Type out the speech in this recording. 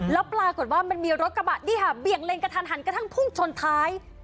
แล้วปรากฏว่ามันมีรถกระบะนี่ค่ะเบี่ยงเลนกระทันหันกระทั่งพุ่งชนท้าย